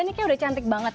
ini kan udah cantik banget